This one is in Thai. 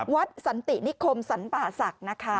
สันตินิคมสรรป่าศักดิ์นะคะ